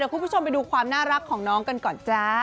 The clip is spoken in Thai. คุณผู้ชมไปดูความน่ารักของน้องกันก่อนจ้า